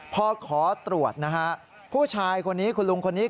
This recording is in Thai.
พอขอตรวจนะฮะผู้ชายคนนี้คุณลุงคนนี้